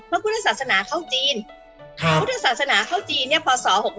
พอพุทธศาสนาเข้าจีนเพราะพุทธศาสนาเข้าจีนเนี่ยพอส่อ๖๖๐